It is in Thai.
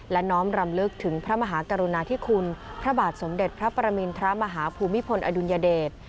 และน้อมรำลึกถึงพระมหากรุณาธิคุณพระบาทสมเด็จพระปรมินทรมาฮภูมิพลอดุลยเดช